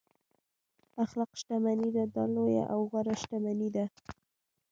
اخلاق شتمني ده دا لویه او غوره شتمني ده.